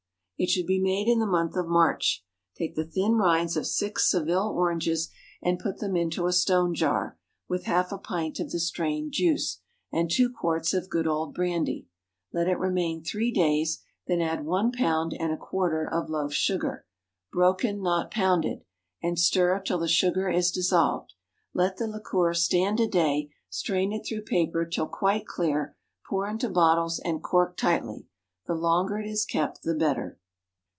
It should be made in the month of March. Take the thin rinds of six Seville oranges, and put them into a stone jar, with half a pint of the strained juice, and two quarts of good old brandy. Let it remain three days, then add one pound and a quarter of loaf sugar broken, not pounded and stir till the sugar is dissolved. Let the liquor stand a day, strain it through paper till quite clear, pour into bottles, and cork tightly. The longer it is kept the better.